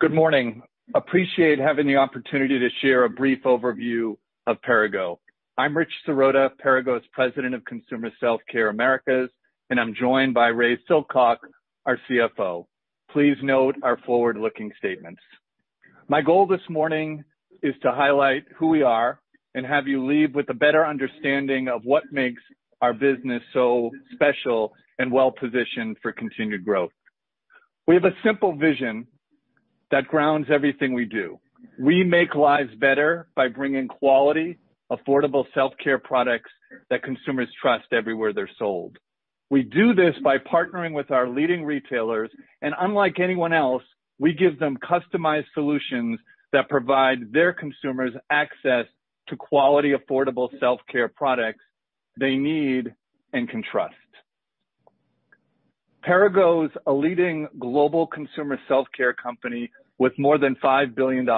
Good morning. Appreciate having the opportunity to share a brief overview of Perrigo. I'm Rich Sorota, Perrigo's President of Consumer Self-Care Americas, and I'm joined by Ray Silcock, our CFO. Please note our forward-looking statements. My goal this morning is to highlight who we are and have you leave with a better understanding of what makes our business so special and well-positioned for continued growth. We have a simple vision that grounds everything we do. We make lives better by bringing quality, affordable self-care products that consumers trust everywhere they're sold. We do this by partnering with our leading retailers, and unlike anyone else, we give them customized solutions that provide their consumers access to quality, affordable self-care products they need and can trust. Perrigo is a leading global consumer self-care company with more than $5 billion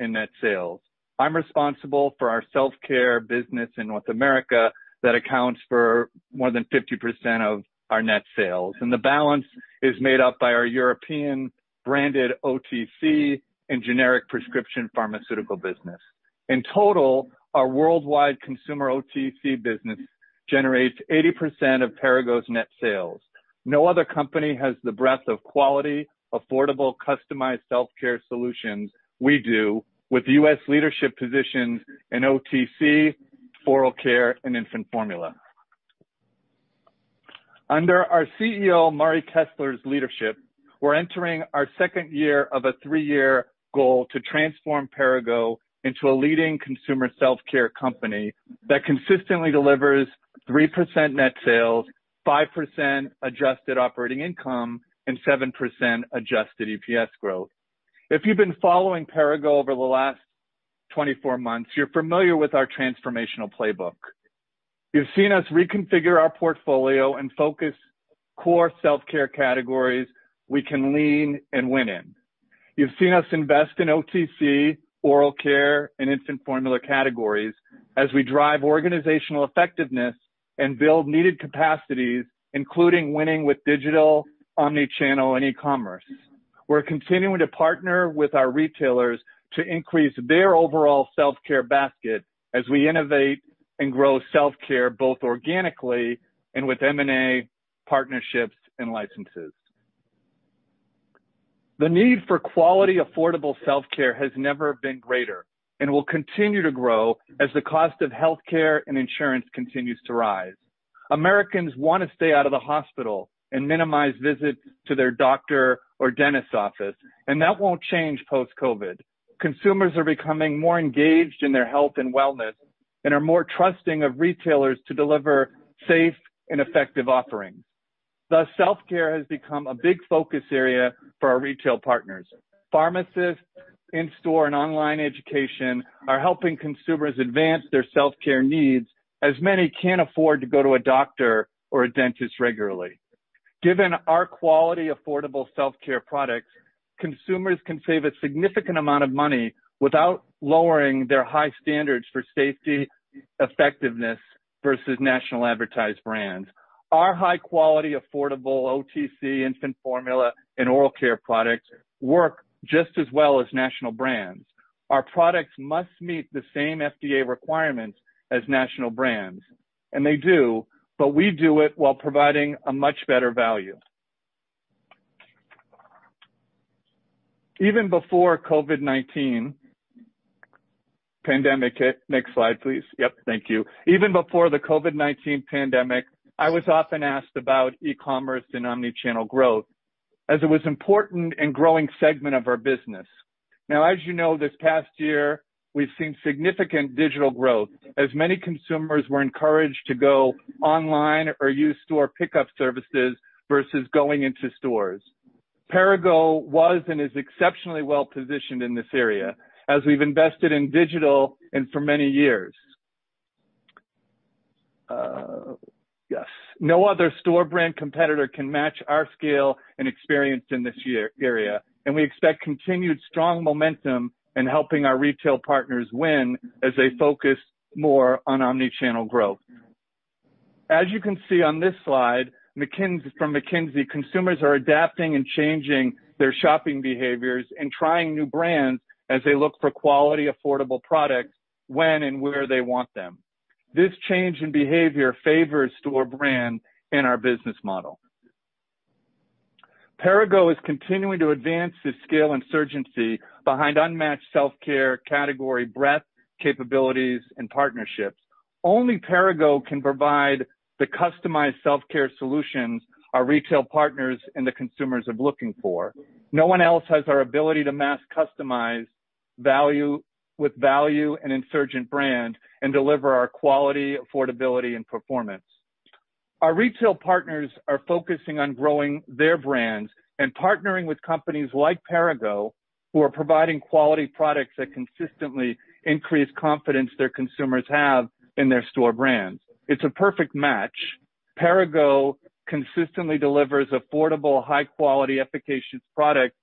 in net sales. I'm responsible for our self-care business in North America that accounts for more than 50% of our net sales. The balance is made up by our European branded OTC and generic prescription pharmaceutical business. In total, our worldwide consumer OTC business generates 80% of Perrigo's net sales. No other company has the breadth of quality, affordable, customized self-care solutions we do with U.S. leadership positions in OTC, oral care, and infant formula. Under our CEO, Murray Kessler's leadership, we're entering our second year of a three year goal to transform Perrigo into a leading consumer self-care company that consistently delivers 3% net sales, 5% adjusted operating income, and 7% adjusted EPS growth. If you've been following Perrigo over the last 24 months, you're familiar with our transformational playbook. You've seen us reconfigure our portfolio and focus core self-care categories we can lean and win in. You've seen us invest in OTC, oral care, and infant formula categories as we drive organizational effectiveness and build needed capacities, including winning with digital, omni-channel, and e-commerce. We're continuing to partner with our retailers to increase their overall self-care basket as we innovate and grow self-care both organically and with M&A partnerships and licenses. The need for quality, affordable self-care has never been greater and will continue to grow as the cost of healthcare and insurance continues to rise. Americans want to stay out of the hospital and minimize visits to their doctor or dentist office. That won't change post-COVID. Consumers are becoming more engaged in their health and wellness and are more trusting of retailers to deliver safe and effective offerings. Thus, self-care has become a big focus area for our retail partners. Pharmacists, in-store, and online education are helping consumers advance their self-care needs, as many can't afford to go to a doctor or a dentist regularly. Given our quality, affordable self-care products, consumers can save a significant amount of money without lowering their high standards for safety, effectiveness versus national advertised brands. Our high-quality, affordable OTC infant formula and oral care products work just as well as national brands. Our products must meet the same FDA requirements as national brands, and they do, but we do it while providing a much better value. Even before COVID-19 pandemic hit. Next slide, please. Yep, thank you. Even before the COVID-19 pandemic, I was often asked about e-commerce and omni-channel growth as it was important and growing segment of our business. Now, as you know, this past year, we've seen significant digital growth as many consumers were encouraged to go online or use store pickup services versus going into stores. Perrigo was and is exceptionally well-positioned in this area, as we've invested in digital for many years. Yes. No other Store Brand competitor can match our scale and experience in this area, and we expect continued strong momentum in helping our retail partners win as they focus more on omni-channel growth. As you can see on this slide from McKinsey, consumers are adapting and changing their shopping behaviors and trying new brands as they look for quality, affordable products when and where they want them. This change in behavior favors Store Brand in our business model. Perrigo is continuing to advance the scale and urgency behind unmatched self-care category breadth, capabilities, and partnerships. Only Perrigo can provide the customized self-care solutions our retail partners and the consumers are looking for. No one else has our ability to mass customize with value and insurgent brand and deliver our quality, affordability, and performance. Our retail partners are focusing on growing their brands and partnering with companies like Perrigo, who are providing quality products that consistently increase confidence their consumers have in their store brands. It's a perfect match. Perrigo consistently delivers affordable, high-quality, efficacious product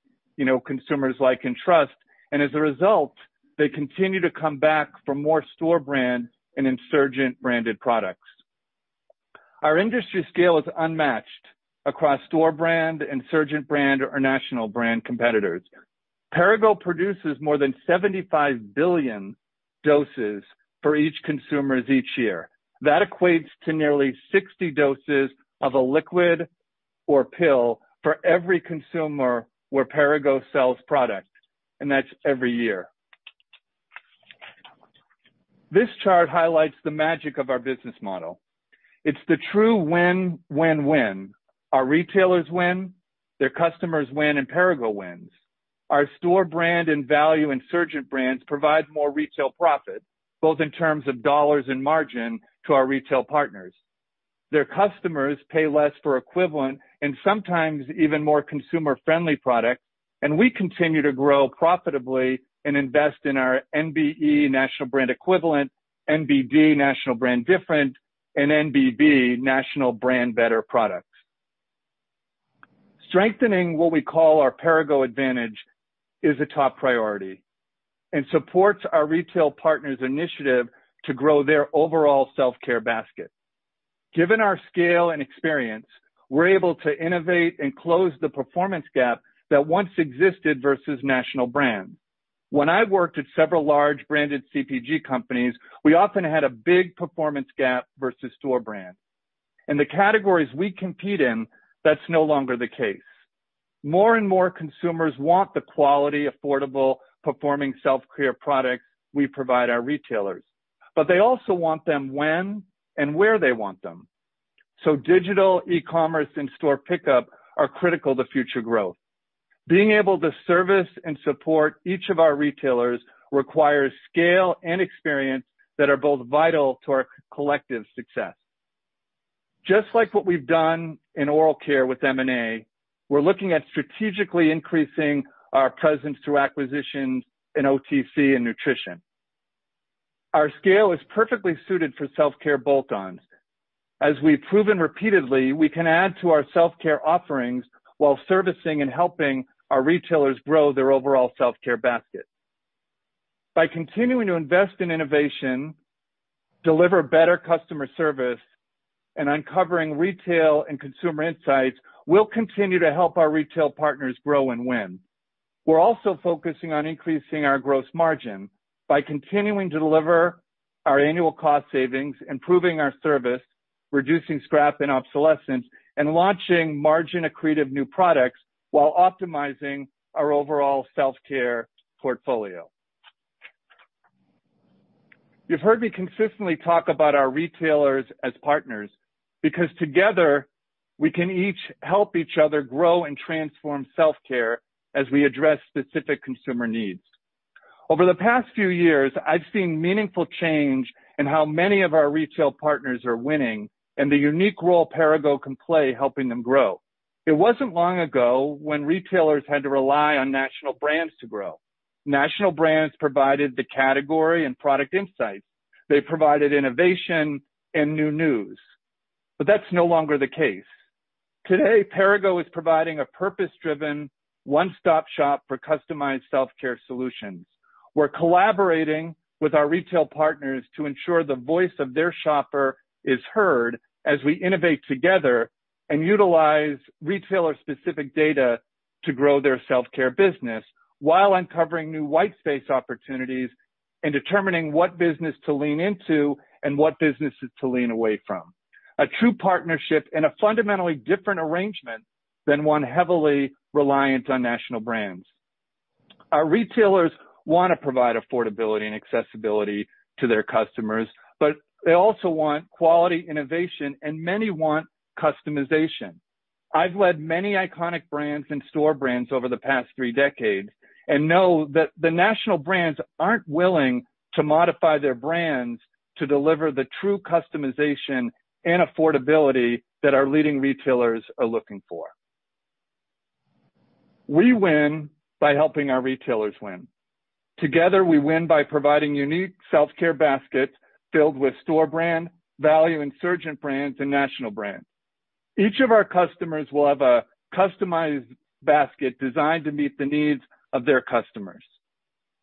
consumers like and trust, and as a result, they continue to come back for more store brand and insurgent-branded products. Our industry scale is unmatched across store brand, insurgent brand, or national brand competitors. Perrigo produces more than 75 billion doses for each consumers each year. That equates to nearly 60 doses of a liquid or pill for every consumer where Perrigo sells product, and that's every year. This chart highlights the magic of our business model. It's the true win-win-win. Our retailers win, their customers win, and Perrigo wins. Our store brand and value insurgent brands provide more retail profit, both in terms of dollars and margin to our retail partners. Their customers pay less for equivalent and sometimes even more consumer-friendly product, and we continue to grow profitably and invest in our NBE, National Brand Equivalent, NBD, National Brand Different, and NBB, National Brand Better products. Strengthening what we call our Perrigo advantage is a top priority and supports our retail partners' initiative to grow their overall self-care basket. Given our scale and experience, we're able to innovate and close the performance gap that once existed versus national brands. When I worked at several large branded CPG companies, we often had a big performance gap versus store brand. In the categories we compete in, that's no longer the case. More and more consumers want the quality, affordable, performing self-care products we provide our retailers. They also want them when and where they want them. Digital, e-commerce, and store pickup are critical to future growth. Being able to service and support each of our retailers requires scale and experience that are both vital to our collective success. Just like what we've done in oral care with M&A, we're looking at strategically increasing our presence through acquisitions in OTC and Nutrition. Our scale is perfectly suited for self-care bolt-ons. As we've proven repeatedly, we can add to our self-care offerings while servicing and helping our retailers grow their overall self-care basket. By continuing to invest in innovation, deliver better customer service, and uncovering retail and consumer insights, we'll continue to help our retail partners grow and win. We're also focusing on increasing our gross margin by continuing to deliver our annual cost savings, improving our service, reducing scrap and obsolescence, and launching margin-accretive new products while optimizing our overall self-care portfolio. You've heard me consistently talk about our retailers as partners because together we can each help each other grow and transform self-care as we address specific consumer needs. Over the past few years, I've seen meaningful change in how many of our retail partners are winning and the unique role Perrigo can play helping them grow. It wasn't long ago when retailers had to rely on national brands to grow. National brands provided the category and product insights. They provided innovation and new news. That's no longer the case. Today, Perrigo is providing a purpose-driven, one-stop shop for customized self-care solutions. We're collaborating with our retail partners to ensure the voice of their shopper is heard as we innovate together and utilize retailer-specific data to grow their self-care business while uncovering new white space opportunities and determining what business to lean into and what businesses to lean away from. A true partnership and a fundamentally different arrangement than one heavily reliant on national brands. Our retailers want to provide affordability and accessibility to their customers, but they also want quality, innovation, and many want customization. I've led many iconic brands and store brands over the past three decades and know that the national brands aren't willing to modify their brands to deliver the true customization and affordability that our leading retailers are looking for. We win by helping our retailers win. Together, we win by providing unique self-care baskets filled with store brand, value insurgent brands, and national brands. Each of our customers will have a customized basket designed to meet the needs of their customers.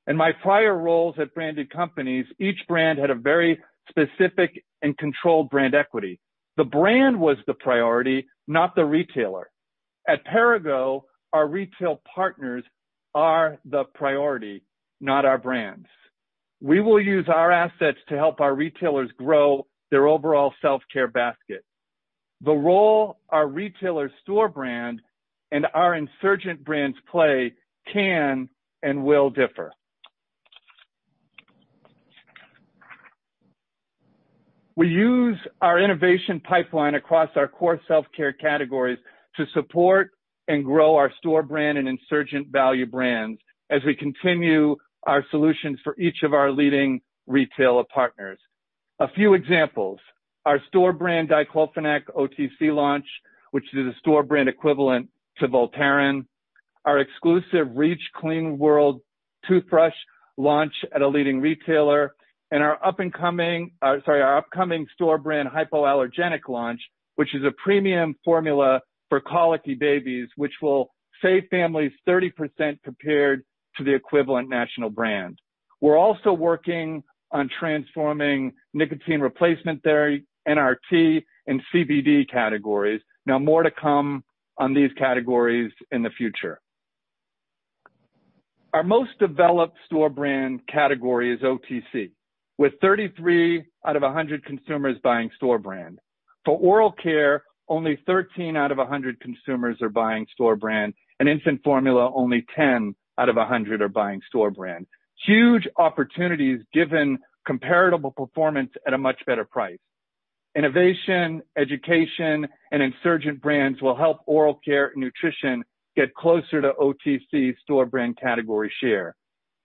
In my prior roles at branded companies, each brand had a very specific and controlled brand equity. The brand was the priority, not the retailer. At Perrigo, our retail partners are the priority, not our brands. We will use our assets to help our retailers grow their overall self-care basket. The role our retailer store brand and our insurgent brands play can and will differ. We use our innovation pipeline across our core self-care categories to support and grow our store brand and insurgent value brands as we continue our solutions for each of our leading retailer partners. A few examples, our store brand diclofenac OTC launch, which is a store brand equivalent to Voltaren, our exclusive REACH Clean World toothbrush launch at a leading retailer, and our upcoming store brand hypoallergenic launch, which is a premium formula for colicky babies, which will save families 30% compared to the equivalent national brand. We're also working on transforming nicotine replacement therapy, NRT, and CBD categories. More to come on these categories in the future. Our most developed store brand category is OTC, with 33 out of 100 consumers buying store brand. For oral care, only 13 out of 100 consumers are buying store brand, and infant formula, only 10 out of 100 are buying store brand. Huge opportunities given comparable performance at a much better price. Innovation, education, and insurgent brands will help Oral Care, Nutrition get closer to OTC store brand category share.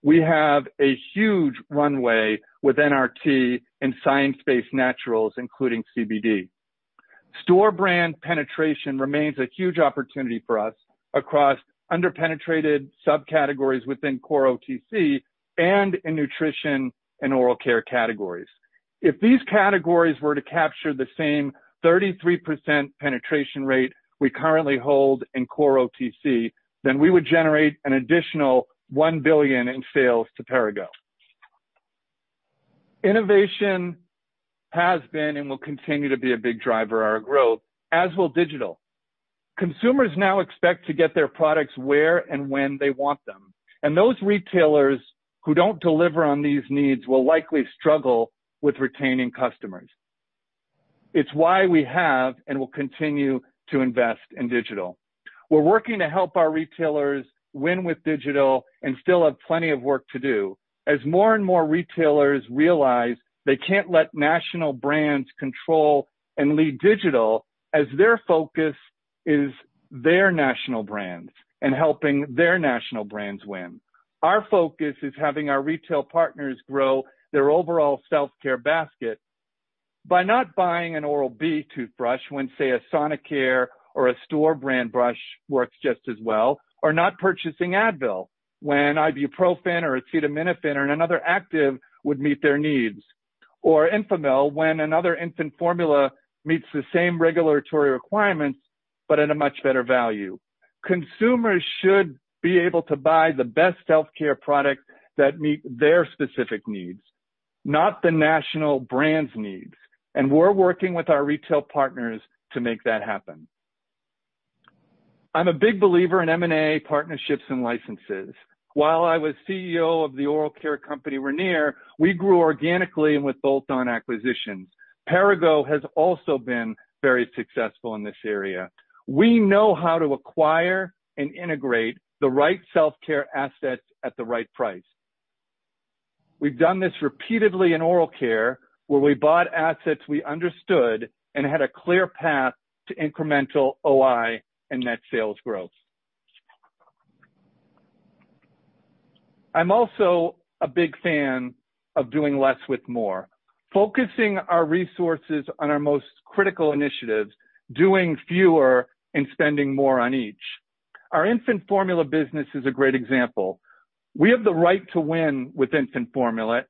We have a huge runway with NRT and science-based naturals, including CBD. Store brand penetration remains a huge opportunity for us across under-penetrated subcategories within core OTC and in Nutrition and Oral Care categories. If these categories were to capture the same 33% penetration rate we currently hold in core OTC, we would generate an additional $1 billion in sales to Perrigo. Innovation has been and will continue to be a big driver of our growth, as will digital. Consumers now expect to get their products where and when they want them, and those retailers who don't deliver on these needs will likely struggle with retaining customers. It's why we have and will continue to invest in digital. We're working to help our retailers win with digital and still have plenty of work to do. As more and more retailers realize they can't let national brands control and lead digital, as their focus is their national brands and helping their national brands win. Our focus is having our retail partners grow their overall self-care basket. By not buying an Oral-B toothbrush when, say, a Sonicare or a store brand brush works just as well, or not purchasing Advil when ibuprofen or acetaminophen or another active would meet their needs, or Enfamil when another infant formula meets the same regulatory requirements, but at a much better value. Consumers should be able to buy the best healthcare product that meet their specific needs, not the national brand's needs. We're working with our retail partners to make that happen. I'm a big believer in M&A partnerships and licenses. While I was CEO of the oral care company, Ranir, we grew organically and with bolt-on acquisitions. Perrigo has also been very successful in this area. We know how to acquire and integrate the right self-care assets at the right price. We've done this repeatedly in oral care, where we bought assets we understood and had a clear path to incremental OI and net sales growth. I'm also a big fan of doing less with more, focusing our resources on our most critical initiatives, doing fewer and spending more on each. Our infant formula business is a great example. We have the right to win with infant formula,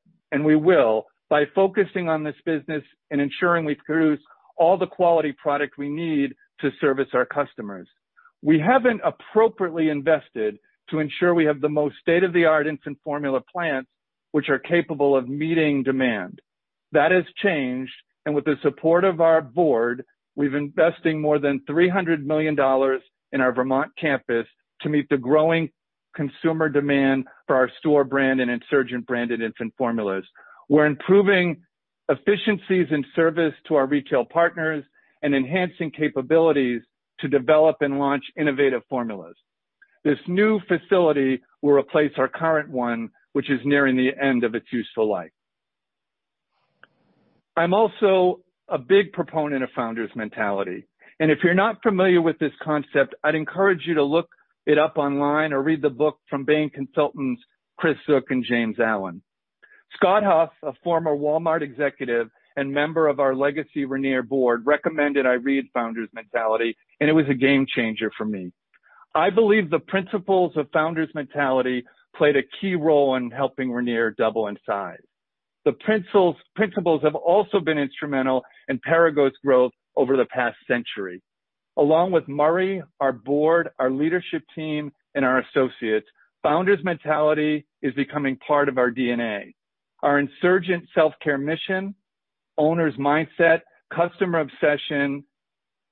we will, by focusing on this business and ensuring we produce all the quality product we need to service our customers. We haven't appropriately invested to ensure we have the most state-of-the-art infant formula plants, which are capable of meeting demand. That has changed, and with the support of our board, we're investing more than $300 million in our Vermont campus to meet the growing consumer demand for our store brand and insurgent branded infant formulas. We're improving efficiencies in service to our retail partners and enhancing capabilities to develop and launch innovative formulas. This new facility will replace our current one, which is nearing the end of its useful life. I'm also a big proponent of Founder's Mentality, and if you're not familiar with this concept, I'd encourage you to look it up online or read the book from Bain consultants Chris Zook and James Allen. Scott Huff, a former Walmart Executive and Member of our legacy Ranir Board, recommended I read "Founder's Mentality," and it was a game changer for me. I believe the principles of Founder's Mentality played a key role in helping Ranir double in size. The principles have also been instrumental in Perrigo's growth over the past century. Along with Murray, our Board, our Leadership team, and our Associates, Founder's Mentality is becoming part of our DNA. Our insurgent self-care mission, owner's mindset, customer obsession,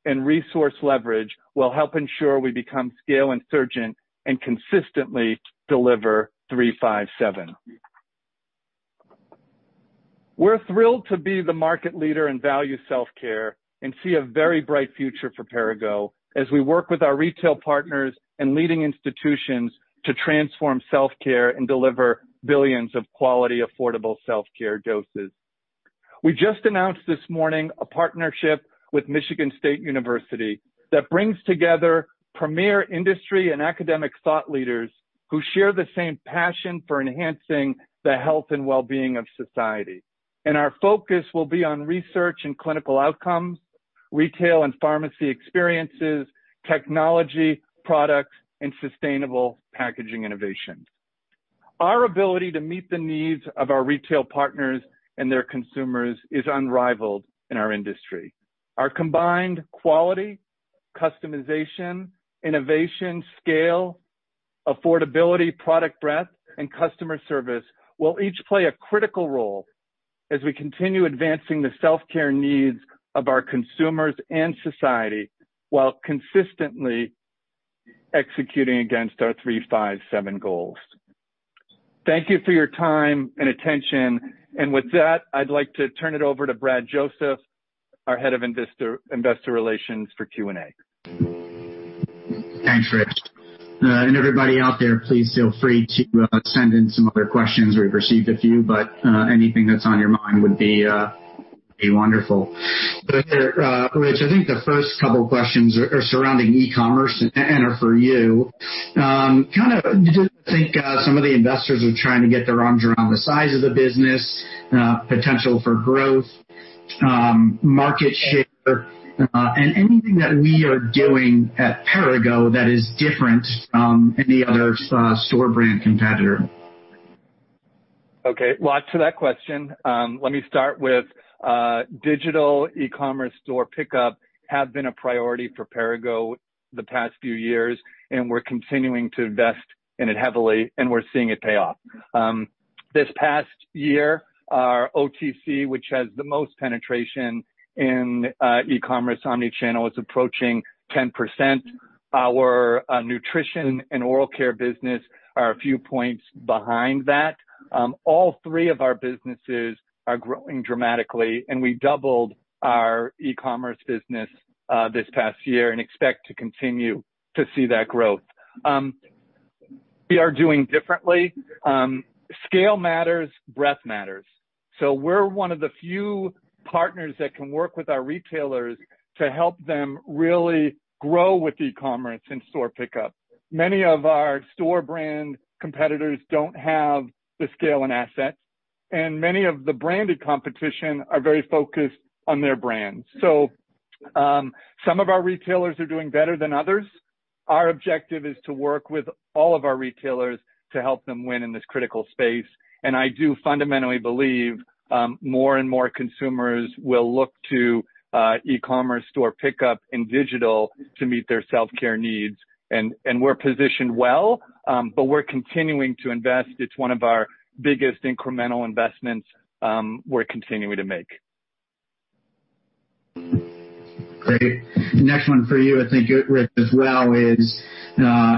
and resource leverage will help ensure we become scale insurgent and consistently deliver 3/5/7. We're thrilled to be the market leader in value self-care and see a very bright future for Perrigo as we work with our retail partners and leading institutions to transform self-care and deliver billions of quality, affordable self-care doses. We just announced this morning a partnership with Michigan State University that brings together premier industry and academic thought leaders who share the same passion for enhancing the health and wellbeing of society. Our focus will be on research and clinical outcomes, retail and pharmacy experiences, technology products, and sustainable packaging innovation. Our ability to meet the needs of our retail partners and their consumers is unrivaled in our industry. Our combined quality, customization, innovation, scale, affordability, product breadth, and customer service will each play a critical role as we continue advancing the self-care needs of our consumers and society, while consistently executing against our 3/5/7 goals. Thank you for your time and attention. With that, I'd like to turn it over to Bradley Joseph, our Head of Investor Relations for Q&A. Thanks, Rich. Everybody out there, please feel free to send in some other questions. We've received a few, but anything that's on your mind would be wonderful. Rich, I think the first couple of questions are surrounding e-commerce and are for you. Kind of do think some of the investors are trying to get their arms around the size of the business, potential for growth, market share, and anything that we are doing at Perrigo that is different, any other store brand competitor? Okay. Well, to that question, let me start with digital e-commerce store pickup have been a priority for Perrigo the past few years, and we're continuing to invest in it heavily, and we're seeing it pay off. This past year, our OTC, which has the most penetration in e-commerce, omni-channel, is approaching 10%. Our Nutrition and Oral Care business are a few points behind that. All three of our businesses are growing dramatically, and we doubled our e-commerce business this past year and expect to continue to see that growth. We are doing differently. Scale matters, breadth matters. We're one of the few partners that can work with our retailers to help them really grow with e-commerce and store pickup. Many of our store brand competitors don't have the scale and assets, and many of the branded competition are very focused on their brands. Some of our retailers are doing better than others. Our objective is to work with all of our retailers to help them win in this critical space. I do fundamentally believe more and more consumers will look to e-commerce store pickup and digital to meet their self-care needs. We're positioned well, but we're continuing to invest. It's one of our biggest incremental investments we're continuing to make. Great. Next one for you, I think, Rich, as well, is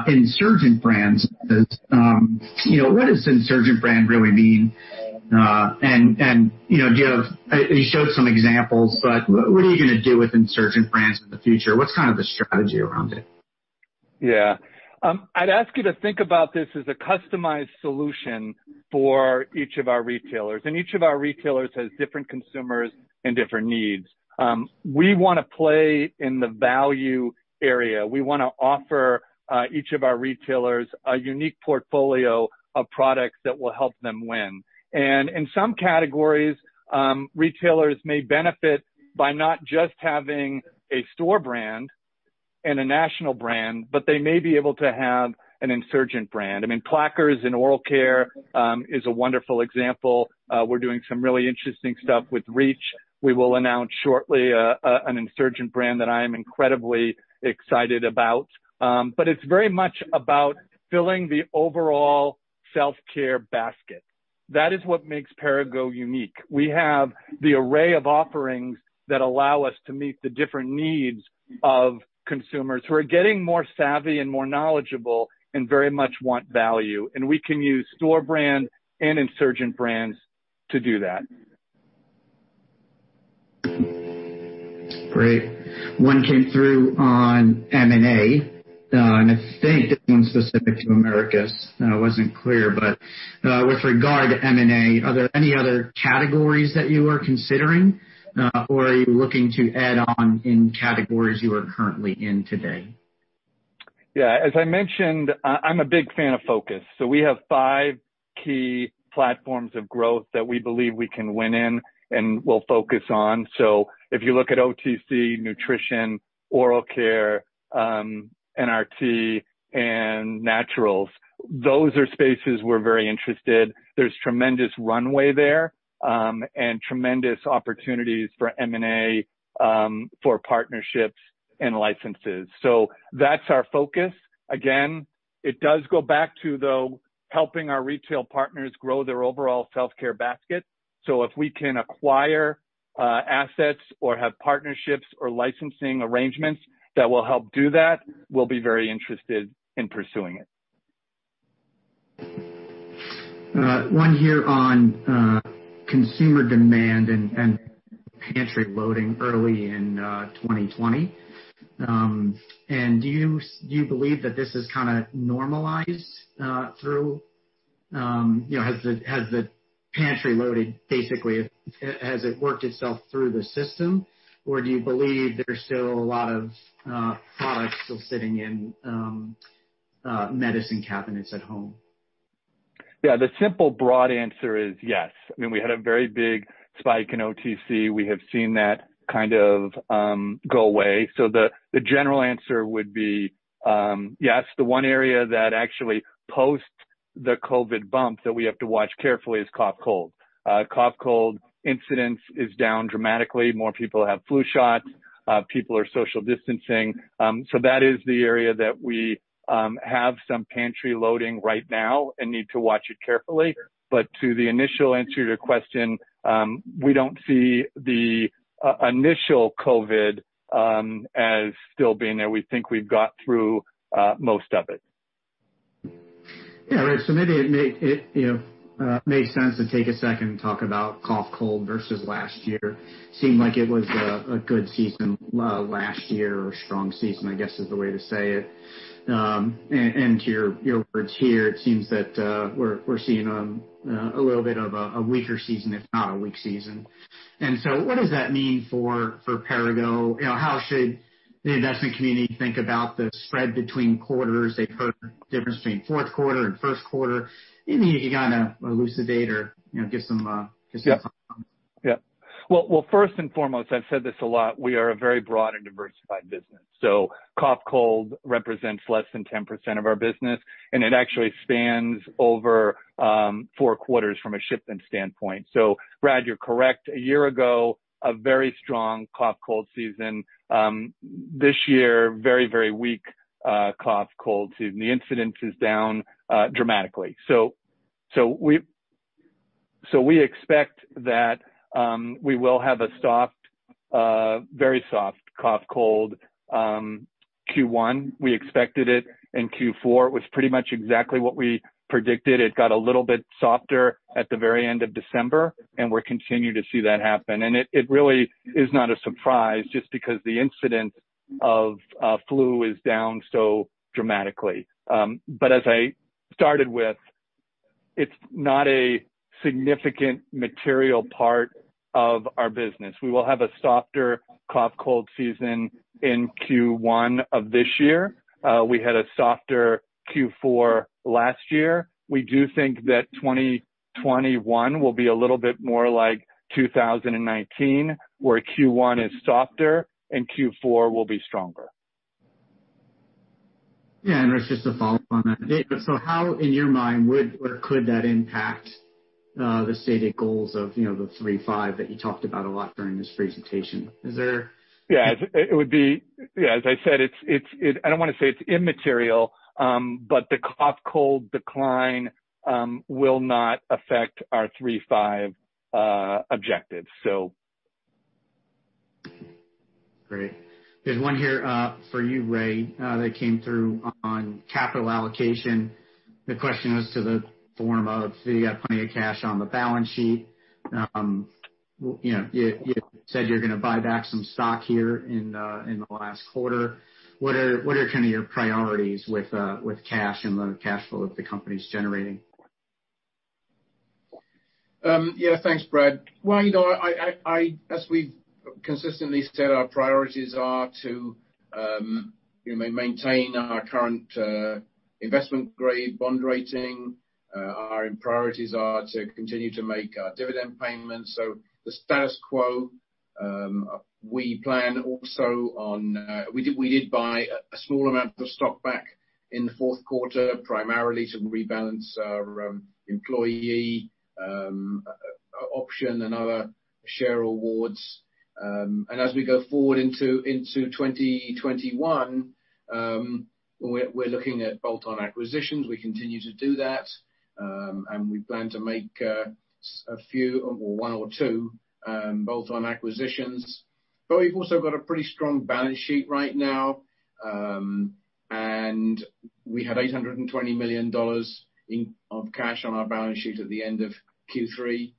insurgent brands. What does insurgent brand really mean? You showed some examples, but what are you going to do with insurgent brands in the future? What's kind of the strategy around it? I'd ask you to think about this as a customized solution for each of our retailers, and each of our retailers has different consumers and different needs. We want to play in the value area. We want to offer each of our retailers a unique portfolio of products that will help them win. In some categories, retailers may benefit by not just having a store brand and a national brand, but they may be able to have an insurgent brand. I mean, Plackers in oral care is a wonderful example. We're doing some really interesting stuff with REACH. We will announce shortly an insurgent brand that I am incredibly excited about. It's very much about filling the overall self-care basket. That is what makes Perrigo unique. We have the array of offerings that allow us to meet the different needs of consumers who are getting more savvy and more knowledgeable and very much want value. We can use store brand and insurgent brands to do that. Great. One came through on M&A, and I think this one's specific to Americas. Wasn't clear, but with regard to M&A, are there any other categories that you are considering? Are you looking to add on in categories you are currently in today? As I mentioned, I'm a big fan of focus. We have five key platforms of growth that we believe we can win in and will focus on. If you look at OTC, Nutrition, Oral Care, NRT, and Naturals, those are spaces we're very interested. There's tremendous runway there, and tremendous opportunities for M&A for partnerships and licenses. That's our focus. Again, it does go back to, though, helping our retail partners grow their overall self-care basket. If we can acquire assets or have partnerships or licensing arrangements that will help do that, we'll be very interested in pursuing it. One here on consumer demand and pantry loading early in 2020. Do you believe that this is kind of normalized through, has the pantry loading basically worked itself through the system, or do you believe there's still a lot of products still sitting in medicine cabinets at home? Yeah. I mean, we had a very big spike in OTC. We have seen that kind of go away. The general answer would be yes. The one area that actually post-COVID bump that we have to watch carefully is cough cold. Cough cold incidence is down dramatically. More people have flu shots. People are social distancing. That is the area that we have some pantry loading right now and need to watch it carefully. To the initial answer to your question, we don't see the initial COVID as still being there. We think we've got through most of it. Yeah, Rich. Maybe it makes sense to take a second and talk about cough cold versus last year. Seemed like it was a good season last year, or a strong season, I guess, is the way to say it. To your words here, it seems that we're seeing a little bit of a weaker season, if not a weak season. What does that mean for Perrigo? How should the investment community think about the spread between quarters? They've heard the difference between fourth quarter and first quarter. Anything you can elucidate or give some? Yeah. Well, first and foremost, I've said this a lot, we are a very broad and diversified business. Cough cold represents less than 10% of our business, and it actually spans over four quarters from a shipment standpoint. Brad, you're correct. A year ago, a very strong cough cold season. This year, very weak cough cold season. The incidence is down dramatically. We expect that we will have a very soft cough cold Q1. We expected it in Q4, it was pretty much exactly what we predicted. It got a little bit softer at the very end of December, and we're continuing to see that happen. It really is not a surprise just because the incidence of flu is down so dramatically. As I started with, it's not a significant material part of our business. We will have a softer cough cold season in Q1 of this year. We had a softer Q4 last year. We do think that 2021 will be a little bit more like 2019, where Q1 is softer and Q4 will be stronger. Rich, just to follow up on that. How, in your mind, would or could that impact the stated goals of the three five that you talked about a lot during this presentation? Yeah. As I said, I don't want to say it's immaterial, but the cough cold decline will not affect our 3/5 objective. Great. There's one here for you. Ray, that came through on capital allocation. The question was to the form of, you got plenty of cash on the balance sheet. You said you're going to buy back some stock here in the last quarter. What are your priorities with cash and the cash flow that the company's generating? Yeah. Thanks, Brad. As we've consistently said, our priorities are to maintain our current investment grade bond rating. Our priorities are to continue to make our dividend payments. The status quo. We did buy a small amount of stock back in the fourth quarter, primarily to rebalance our employee option and other share awards. As we go forward into 2021, we're looking at bolt-on acquisitions. We continue to do that. We plan to make a few, or one or two, bolt-on acquisitions. We've also got a pretty strong balance sheet right now. We had $820 million of cash on our balance sheet at the end of Q3.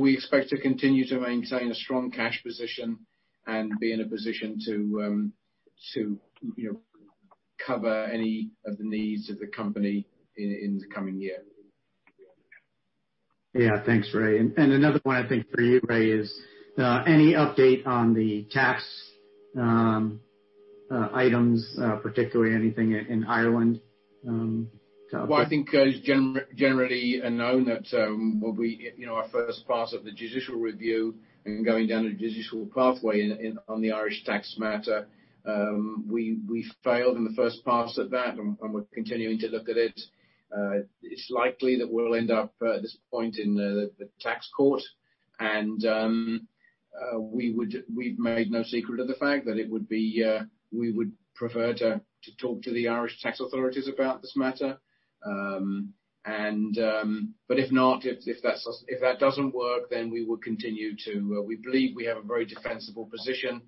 We expect to continue to maintain a strong cash position and be in a position to cover any of the needs of the company in the coming year. Yeah. Thanks, Ray. Another one, I think, for you, Ray, is any update on the tax items, particularly anything in Ireland? Well, I think it's generally known that our first pass of the judicial review and going down a judicial pathway on the Irish tax matter, we failed in the first pass at that. We're continuing to look at it. It's likely that we'll end up, at this point, in the tax court. We've made no secret of the fact that we would prefer to talk to the Irish tax authorities about this matter. If not, if that doesn't work, we will continue to. We believe we have a very defensible position.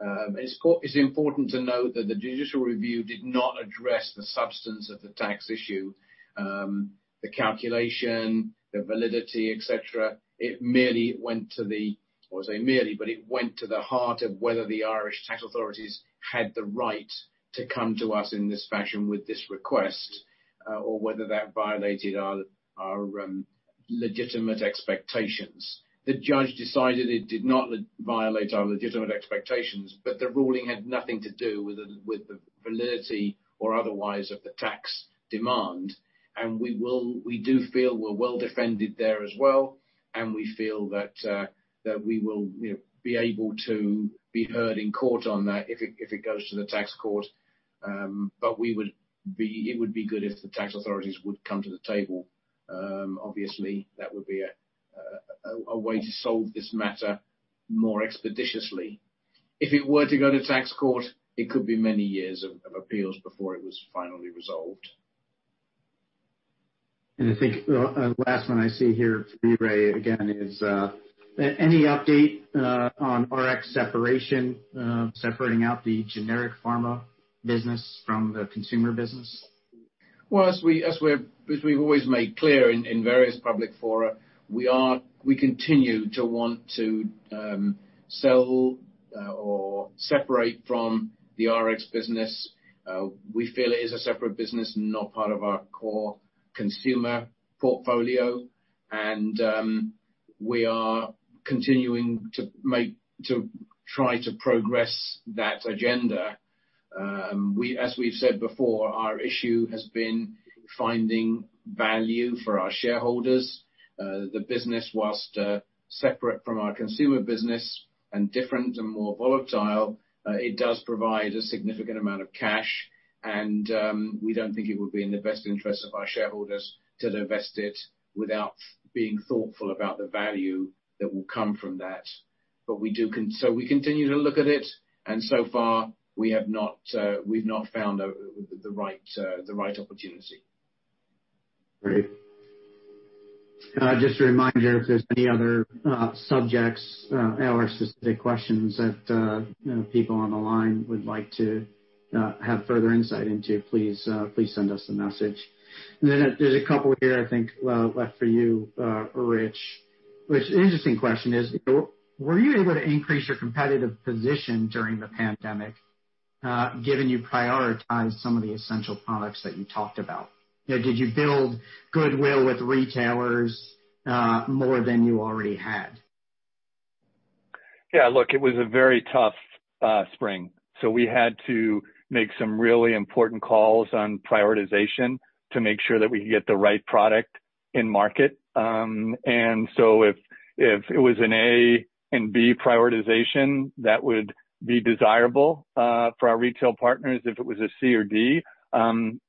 It's important to note that the judicial review did not address the substance of the tax issue, the calculation, the validity, et cetera. It merely went to, I wouldn't say merely, but it went to the heart of whether the Irish tax authorities had the right to come to us in this fashion with this request, or whether that violated our legitimate expectations. The judge decided it did not violate our legitimate expectations, but the ruling had nothing to do with the validity or otherwise of the tax demand. We do feel we're well defended there as well, and we feel that we will be able to be heard in court on that if it goes to the tax court. It would be good if the tax authorities would come to the table. Obviously, that would be a way to solve this matter more expeditiously. If it were to go to tax court, it could be many years of appeals before it was finally resolved. I think last one I see here for you, Ray, again is, any update on Rx separation, separating out the Generic Pharma business from the consumer business? Well, as we've always made clear in various public fora, we continue to want to sell or separate from the Rx business. We feel it is a separate business, not part of our core consumer portfolio. We are continuing to try to progress that agenda. As we've said before, our issue has been finding value for our shareholders. The business, whilst separate from our consumer business and different and more volatile, it does provide a significant amount of cash and we don't think it would be in the best interest of our shareholders to divest it without being thoughtful about the value that will come from that. We continue to look at it, and so far we've not found the right opportunity. Great. Just a reminder, if there's any other subjects or specific questions that people on the line would like to have further insight into, please send us a message. There's a couple here, I think, left for you, Rich. Rich, An interesting question is, were you able to increase your competitive position during the pandemic, given you prioritized some of the essential products that you talked about? Did you build goodwill with retailers more than you already had? Yeah, look, it was a very tough spring. We had to make some really important calls on prioritization to make sure that we could get the right product in market. If it was an A and B prioritization, that would be desirable for our retail partners. If it was a C or D,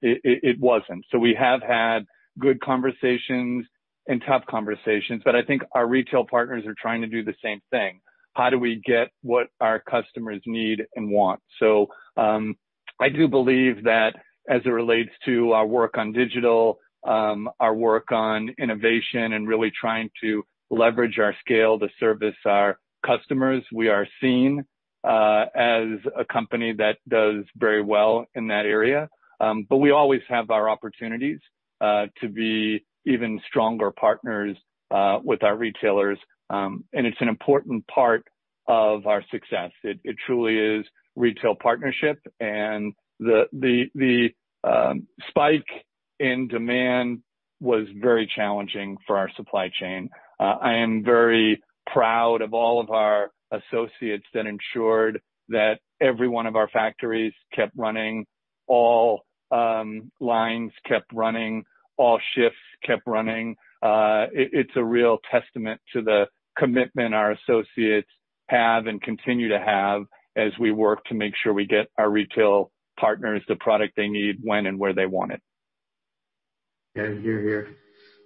it wasn't. We have had good conversations and tough conversations, but I think our retail partners are trying to do the same thing. How do we get what our customers need and want? I do believe that as it relates to our work on digital, our work on innovation, and really trying to leverage our scale to service our customers, we are seen as a company that does very well in that area. We always have our opportunities to be even stronger partners with our retailers. It's an important part of our success. It truly is retail partnership. The spike in demand was very challenging for our supply chain. I am very proud of all of our associates that ensured that every one of our factories kept running, all lines kept running, all shifts kept running. It's a real testament to the commitment our associates have and continue to have as we work to make sure we get our retail partners the product they need, when and where they want it.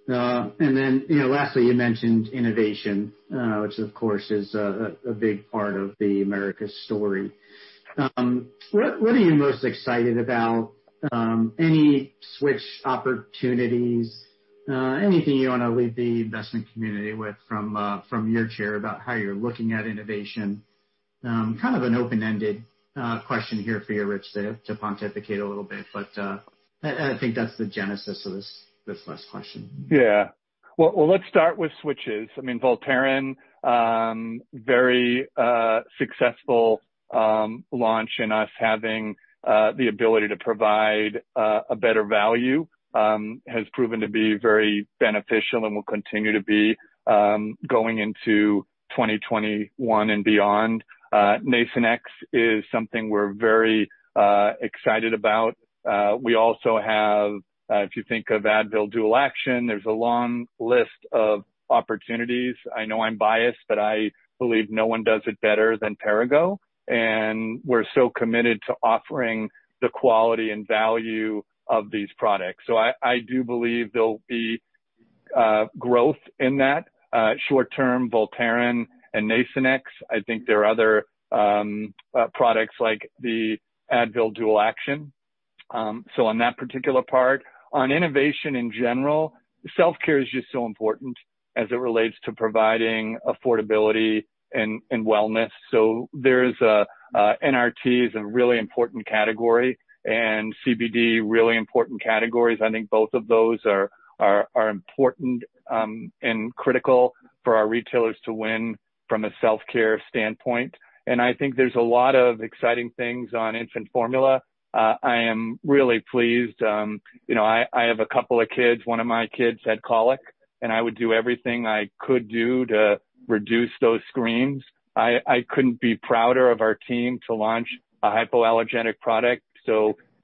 Then lastly, you mentioned innovation, which of course is a big part of the Americas story. What are you most excited about? Any switch opportunities? Anything you want to leave the investment community with from your chair about how you're looking at innovation? Kind of an open-ended question here for you, Rich, to pontificate a little bit. I think that's the genesis of this last question? Yeah. Well, let's start with switches. Voltaren, very successful launch, and us having the ability to provide a better value has proven to be very beneficial and will continue to be going into 2021 and beyond. Nasonex is something we're very excited about. We also have, if you think of Advil Dual Action, there's a long list of opportunities. I know I'm biased, but I believe no one does it better than Perrigo, and we're so committed to offering the quality and value of these products. I do believe there'll be growth in that. Short term, Voltaren and Nasonex. I think there are other products like the Advil Dual Action. On that particular part. On innovation, in general, self-care is just so important as it relates to providing affordability and wellness. NRT is a really important category and CBD, really important categories. I think both of those are important and critical for our retailers to win from a self-care standpoint. I think there's a lot of exciting things on infant formula. I am really pleased. I have a couple of kids. One of my kids had colic, and I would do everything I could do to reduce those screams. I couldn't be prouder of our team to launch a hypoallergenic product.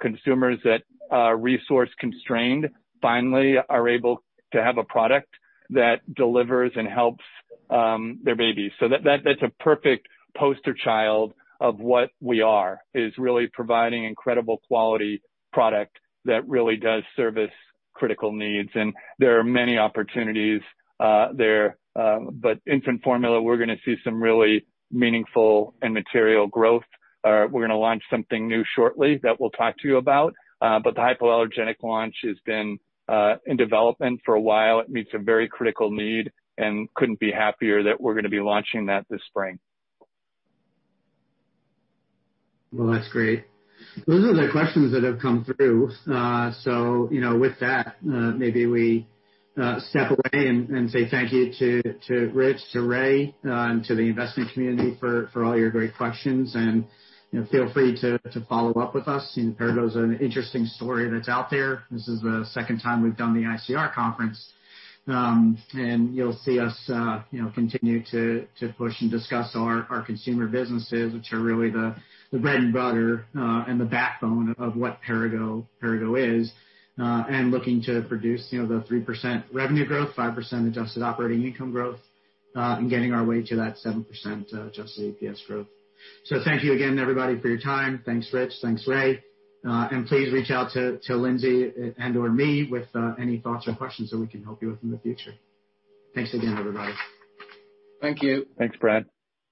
Consumers that are resource constrained finally are able to have a product that delivers and helps their babies. That's a perfect poster child of what we are, is really providing incredible quality product that really does service critical needs, and there are many opportunities there. Infant formula, we're going to see some really meaningful and material growth. We're going to launch something new shortly that we'll talk to you about. The hypoallergenic launch has been in development for a while. It meets a very critical need and couldn't be happier that we're going to be launching that this spring. Well, that's great. Those are the questions that have come through. With that, maybe we step away and say thank you to Rich, to Ray, and to the investment community for all your great questions. Feel free to follow up with us. Perrigo is an interesting story that's out there. This is the second time we've done the ICR Conference. You'll see us continue to push and discuss our consumer businesses, which are really the bread and butter and the backbone of what Perrigo is. Looking to produce the 3% revenue growth, 5% adjusted operating income growth, and getting our way to that 7% adjusted EPS growth. Thank you again, everybody, for your time. Thanks, Rich. Thanks, Ray. Please reach out to Lindsay and/or me with any thoughts or questions that we can help you with in the future. Thanks again, everybody. Thank you. Thanks, Brad.